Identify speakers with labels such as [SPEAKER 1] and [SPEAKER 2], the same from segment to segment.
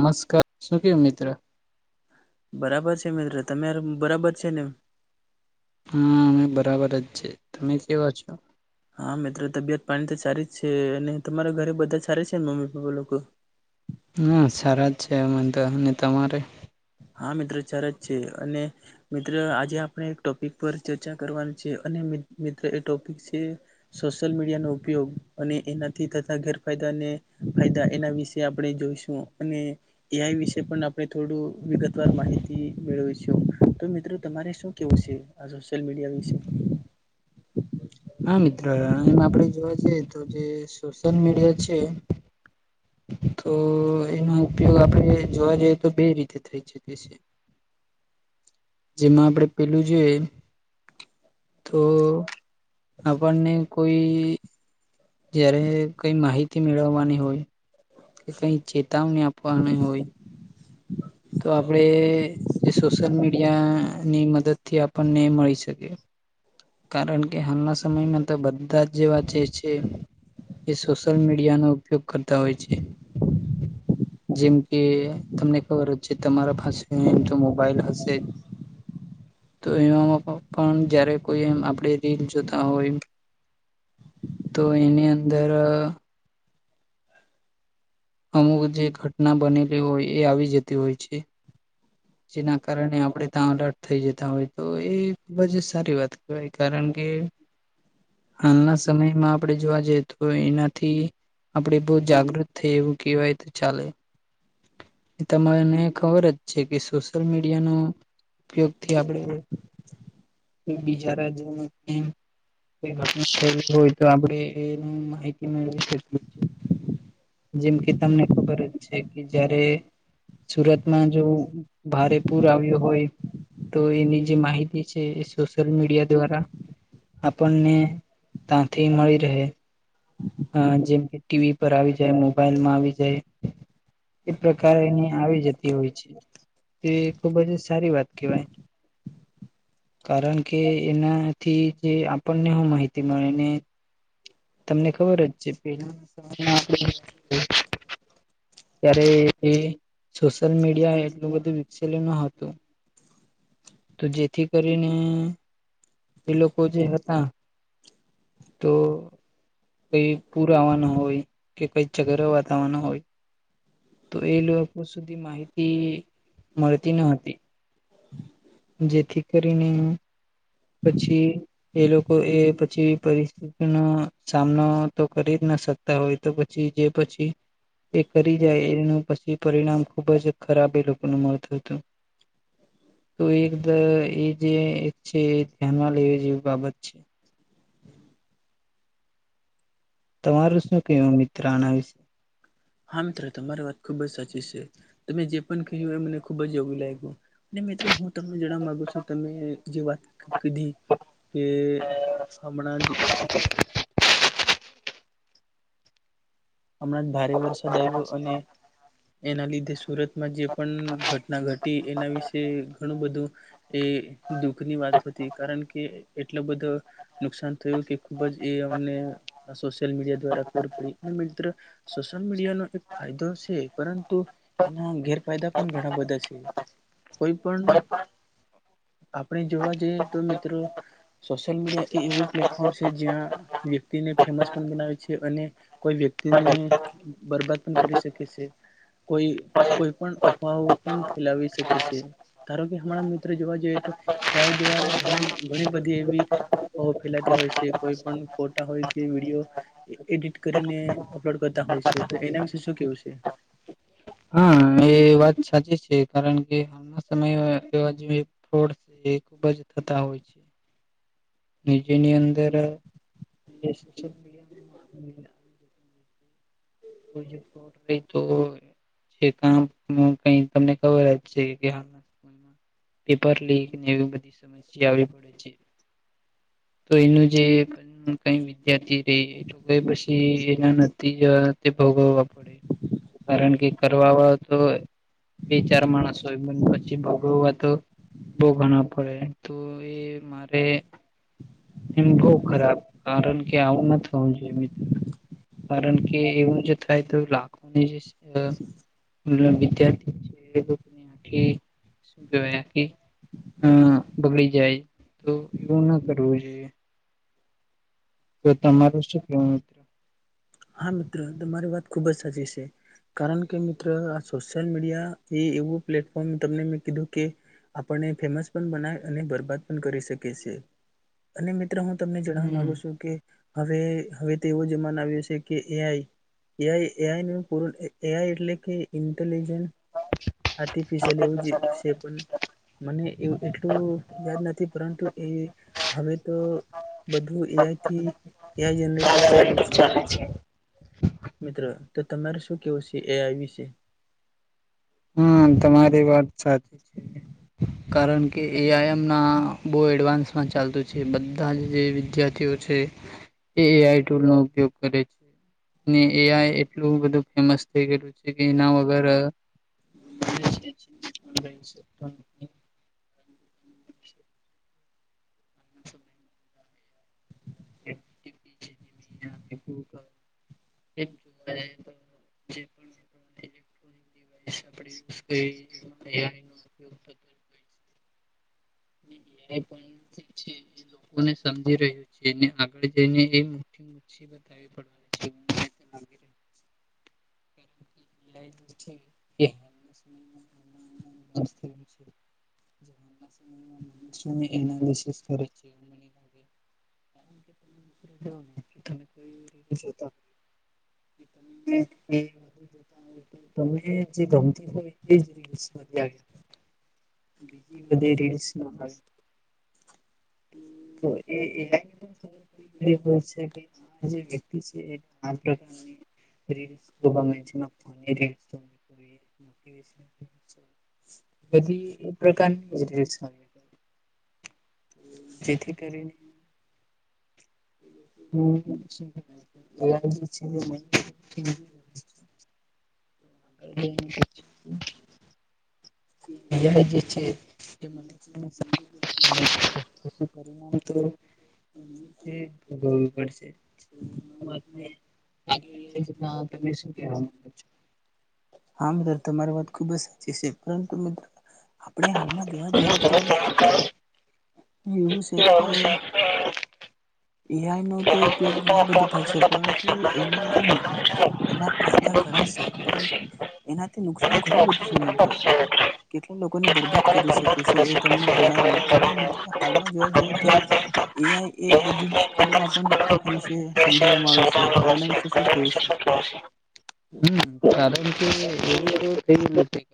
[SPEAKER 1] નમસ્કાર, શું કેવો મિત્ર?
[SPEAKER 2] બરાબર છે મિત્ર, તમે બરાબર છે ને?
[SPEAKER 1] હા અમે બરાબર જ છે તમે કેવા છો?
[SPEAKER 2] હા મિત્રો તબિયત પાણી તો સારી જ છે અને તમારા ઘરે બધા સારા છે ને મમ્મી પપ્પા લોકો?
[SPEAKER 1] હા સારા જ છે અમન તો અને તમારે?
[SPEAKER 2] હા મિત્રો ચાર જ છે અને મિત્ર આજે આપણે એક ટોપિક પર ચર્ચા કરવાની છે અને મિત્ર એ ટોપિક છે સોશિયલ મીડિયાનો ઉપયોગ અને એનાથી થતાં ગેરફાયદા અને ફાયદા એના વિશે આપણે જોઈશ હ અને એ આઈ વિશે પણ આપણે થોડું વિગતવાર માહિતી મેળવીશું, તો મિત્રો તમારે શું કેવું છે આ સોશિયલ મીડિયા વિશે?
[SPEAKER 1] હા મિત્ર એમ આપણે જોવા જઈએ તો જે સોશિયલ મીડિયા છે તો એનો ઉપયોગ આપણે જોવા જઈએ તો બે રીતે થઈ શકે છે. જેમાં આપણે પેલું જોઈએ તો આપણને કોઈ જયારે કઈ માહિતી મેળવવાની હોય કે કઈ ચેતાવણી આપવાની હોય. તો આપણે જે સોશિયલ મીડિયાની મદદથી આપણને મળી શકે. કારણ કે હાલનાં સમયમાં તો બધા જ જેવા જે છે. એ સોશિયલ મીડિયાનો ઉપયોગ કરતા હોય છે. જેમ કે તમને ખબર જ છે તમારા હશે એમ તો મોબાઈલ હશે તો એવામાં પણ જયારે કોઈ એમ આપણે રીલ જોતા હોય તો એની અંદર અમુક જે ઘટના બનેલી હોય એ આવી જતી હોય છે. જેના કારણે આપણે ત્યાં અલર્ટ થઈ જતાં હોય તો એ ખૂબ જ સારી વાત કહેવાય કારણ કે હાલના સમયમાં આપણેે જોવા જઈએ તો એનાથી આપણે બઉ જાગૃત થઈ એવું કહેવાય તો ચાલે. તમને ખબર જ છે કે સોશિયલ મીડિયાનો ઉપયોગથી આપણે બીજા રાજ્યમાં ઘટના સ્થળ હોય તો આપણે એની માહિતી મેળવી શકીએ છીએ. જેમ કે તમને ખબર જ છે કે જયારે સુરતમાં જો ભારે પૂર આવ્યું હોય તો એની જે માહિતી છે એ સોશિયલ મીડિયા દ્વારા આપણને ત્યાંથી મળી રહે. અ જેમ કે ટીવી પર આવી જાય, મોબાઈલમાં આવી જાય. એ પ્રકાર એની આવી જતી હોય છે તે ખૂબ જ સારી વાત કહેવાય. કારણ કે એનાથી જે આપણને હું માહિતી મળેને તમને ખબર જ છે પહેલાં [inaudible] ત્યારે એ સોશિયલ મીડિયા એટલું બધું વિકસેલું ન હતું. તો જેથી કરીને એ લોકો જે હતાં તો કઈ પૂર આવાનો હોય કે કઈ ચક્રવાત આવાનો હોય. તો એ લોકો સુધી માહિતી મળતી ન હતી. જેથી કરીને પછી એ લોકો એ પછી પરિસ્થિતિ ન સામનો તો કરી જ ના શક હોય તો પછી જે પછી એ કરી જાય એનું પછી પરિણામ ખુબ જ ખરાબ એ લોકોનું મળતું હતું તો એ એ જે એક છે એ ધ્યાનમાં લેવી જેવી બાબત છે
[SPEAKER 2] [inaudible]
[SPEAKER 1] તમારું શું કેવું મિત્ર આના વિશે
[SPEAKER 2] હા મિત્રો તમારી વાત ખુબ જ સાચી છે તમે જે પણ કહ્યું એ મને ખુબ જ ું લાગ્યું અને મિત્રો હું તમને જણવા માગુ છું તમે જે વાત કધી કે હમણાં જ હમણાં જ ભારે વરસાદ આવ્યો અને એના લીધે સુરતમાં જે પણ ઘટના ઘટી એના વિશે ઘણું બધું એ દુખ ની વાત હતી કારણ કે એટલો બધો નુકસાન થયું કે ખુબ જ એ અમને સોશિયલ મીડિયા દ્વારા ખબર પડી સોશિલ મીડિયાનો એક ફાયદો છે પરંતુ એના ગેરફાયદા પણ ઘણા બધા છે કોઈ પણ આપણે જોવા જઈએ તો મિત્રો સોશિયલ મીડિયા એ એવું પ્લેટફોર્મ છે જ્યાં વ્યક્તિને ફેમસ પણ બનાવે છે અને કોઈ વ્યક્તિને બરબાદ પણ કરી શકે છે કોઈ કોઈ પણ અફવાહ પણ ફેલાવી શકે છે ધારો કે હમણાં મિત્રો જોવા જોઈએ તો ત્યાં દ્વારા ઘણી ઘણી બધી એવી ફેલાતી હોય છે કોઈ પણ ફોટા હોય કે વિડીયો એડિટ કરીને અપલોડ કરતા હોય છે તો એના વિશે શું કેવું છે
[SPEAKER 1] હા એ વાત સાચી છે કારણ કે સમય એવા જે ફ એ ખુબ જ થતા હોય છે નીચેની અંદર કોઈ તો કે ક કઈ તમને ખબર જ છે કે હ પેપર લીકને એવી બધી સમસ્યા આવીવી પડે છે તો એનું જે કઈ વિદ્યાર્થી રહી એ જો પછી એના નથી જ ભોગવવા પડે કારણ કે કરવા તો બે ચાર માણસ હોય મને પછી ભોગવવા તો ભોગા ના પડે તો એ મારે એમ બહ ખરાબ કારણ કે આવું ના થવું જોઈએ મિત્ર કારણ કે એવું જ થાય તો લાખોની જે વિદ્યાર્થી છે એ લોકો આખી શું કેવાય આખી અ બગડી જાય તો એવું ના કરવું જોઈએ તો તમારું શું કેવું
[SPEAKER 2] હા મિત્રો તમારી વાત ખુબ જ સાચી છે કારણ કે મિત્રો આ સોશિયલ મીડિયા એ એવું પ્લેટફોર્મ તમને મેં કીધું કે આપણને ફેમસ પણ બનાય અને બરબાદ પણ કરી શકીએ છેીએ અને મિત્ર હું તમને જણવા માગુ છું કે હવે હવે તે એવો જમાન આવ્યો છે કે એઆઈ એઆઈ એઆઈનું પૂરણ એઆઈ એટલે કે ઇન્ટેલિજન્ટ આર્ટિફિશિયલ એવું છે પણ મને એવું એટલું યાદ નથી પરંતુ એ હવે તો બધું એઆઈથી એઆઈ જનરેટર ચાલે છે
[SPEAKER 1] છે
[SPEAKER 2] મિત્રો તો તમારે શું કેવું છે એઆઈ વિશે
[SPEAKER 1] હા તમારી વાત સાચી કારણ કે એઆઈ એમના બહુ એડવાન્સમાં ચાલતું છે બધા જ જે વિદ્યાર્થીઓ છે.
[SPEAKER 2] [inaudible]
[SPEAKER 1] એ એ આઈ ટુલ નો ઉપયોગ કરે છે. એ આ એટલું બધું ફેમસ થઈ ગયલું છે કે એના વગર જે પણ રહી શ [unintelligible] પી છેની [unintelligible] એ જોવા જ તો જે ઇ્ટ્રોનિક [inaudible] એ આપડીઈ
[SPEAKER 2] હમ
[SPEAKER 1] પતિ પણ છે. ને સમજી રહ્યું છેને આગળ જઈને એછી બતાવી પડવાની જણગીરે સમ જ
[SPEAKER 2] હમ
[SPEAKER 1] ની એનાલિસિસ કર છે. ત [unintelligible] એ વધુ જોતા હોય તો તમે જે ગમતી હોય એ રીલ્સ પર બીજી બધી રીસ ના આવે તો એ એ છે કે આ જે વ્યક્તિ છે એ આ પ્રકારની રીસ તો છે. બધી પ્રકારની જેથી કરીને
[SPEAKER 2] હમ
[SPEAKER 1] હમ અ જે છે એ મને પરિણામ તો ભગવવી પડશે વાત રીત તમે શું કેવા માંગો છો.
[SPEAKER 2] હા મિત્રો તમારી વાત ખૂબ જ સાચી છે પરંતુ મિત્રો આપણે હાલમાં જોવા જઈએ તો ું છે કે એ આઈ નો તો ઉપયોગ ઘણો બધો થાય છે પરુ તો એનો જ એના ફાયદા ઘણાશે પરંતુ એનાથી નુકસાન ઘણું બધું છે મિત્ર કેટલા લોકોને બરબાદ કરી શકે છે એ તમને જણાવ્યું અને મિત્ર હાલમાં જોવા જઈએ તો એ એ બધી સ્કૂલોમાં પણ
[SPEAKER 1] [inaudible]
[SPEAKER 2] સમજાવવામાં આવ્યું છે તો એના વિશે શું કેવું છે.
[SPEAKER 1] હમ કારણ કે થ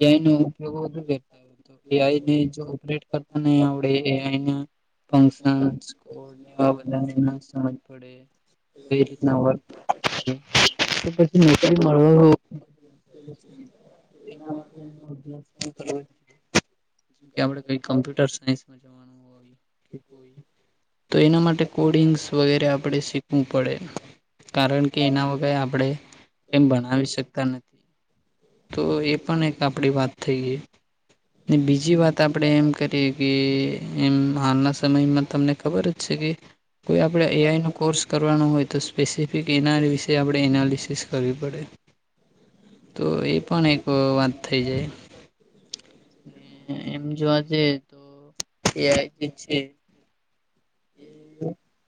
[SPEAKER 1] એઆઈ નો ઉપયોગ વધુ કરતા હોય તો એઆઈ ને જો ઓપરેટ તા નહી આવડે એ અ બા આપણેે કઈ રીતના હો પછી નોકરી મળ હો
[SPEAKER 2] હમ
[SPEAKER 1] ચ [unintelligible] જેમ કે આપડે કઈ કમ્પ્યુટર સાયન્સમાં જવાનું હોય કે કોઈ તો એના માટે કોડિંગ્સ વગેરે આપણે શીખવું પડે કારણ કે એના વગર આપણે એમ ભણાવી શકતા નથી. તો એ પણ એક આપડી વાત થઈ ગઈ. ને બીજી વાત આપણે એમ કરીએ કે એમ હાલના સમયમાં તમને ખબર જ છે કે કોઈ આપણા એઆઈનો કોર્સ કરવાનો હોય તો સ્પેસિફિક એના વિશે આપણે એનાલિસિસ કરવી પડે. તો એ પણ એક વાત થઈ જાય. ને એમ જોવા જઈએ તો એઆઈ જે છે એ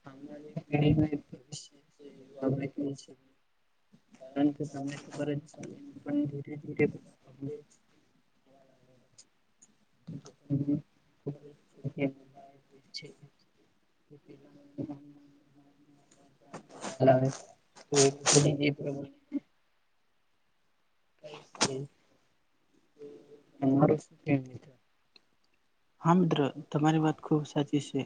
[SPEAKER 1] આવનારી પેઢીનું એક ભવિષ્ય છે એવું આપણે કહી શકીએ. કારણ કે તમને ખબર જ છે એમ પણ ધીરે ધીરે અપડેટસ [inaudible] ખબર જ છે કે [inaudible] કે પેલા [inaudible] ચલાવે તો [inaudible] [inaudible] તો તમારું શું કહેવું છે?
[SPEAKER 2] હા મિત્ર તમારી વાત ખૂબ સાચી છે.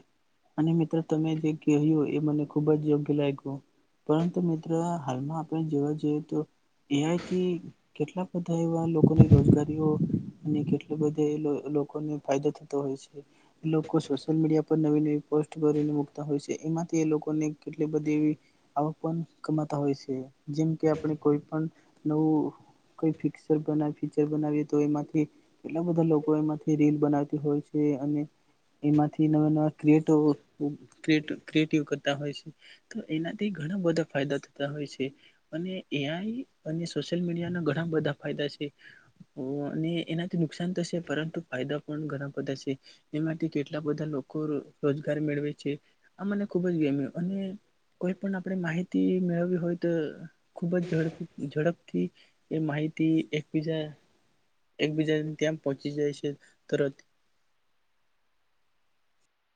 [SPEAKER 2] અને મિત્ર તમે જે કહ્યું એ મને ખુબ જ યોગ્ય લાગ્યું. પરંતુ મિત્ર હાલમાં આપણે જોવા જઈએ તો એઆઈથી કેટલા બધા એવા લોકોની રોજગારીઓ અને કેટલી બધે એ લોકોને ફાયદો થતો હોય છે. એ લોકો સોશિયલ મીડિયા પર નવી નવી પોસ્ટ કરીને મુકતા હોય છે એમાં તે લોકોને કેટલી બધી એવી આવક પણ કમાતા હોય છે. જેમ કે આપણે કોઈ પણ નવું કોઈ ફિક્સર પેનાલ ફીચર બનાવીએ તો એમાંથી કેટલા બધા લોકો એમાંથી રીલ બનાવતી હોય છે. અને એમાંથી નવા નવા ક્રિએટો ક્રિયેટો ક્રિએટિવ કરતા હોય છે. તો એનાથી ઘણા બધા ફાયદા થતા હોય છે. અને એઆઈ અને સોશિયલ મીડિયાના ઘણા બધા ફાયદા છે. હોવ અને એનાથી નુકસાન થશે પરંતુ ફાયદા પણ ઘણા બધા છે. એમાંથી કેટલા બધા લોકો રોજગાર મેળવે છે. આ મને ખુબ જ ગમ્યું. અને કોઈ પણ આપણે માહિતી મેળવવી હોય તો ખૂબ જ ઝડપ ઝડપથી એ માહિતી એક બીજા એકબીજાને ત્યાં પહોંચી જાય છે તરત.